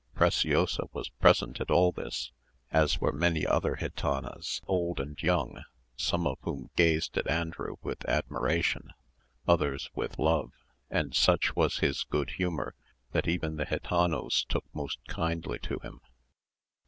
Preciosa was present at all this, as were many other gitanas, old and young, some of whom gazed at Andrew with admiration, others with love, and such was his good humour, that even the gitanos took most kindly to him.